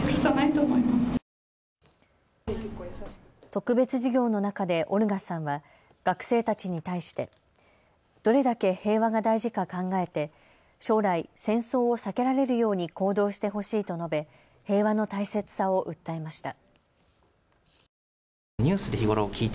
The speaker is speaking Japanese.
特別授業授業の中でオルガさんは学生たちに対してどれだけ平和が大事か考えて将来、戦争を避けられるように行動してほしいと述べ平和の大切さを訴えました。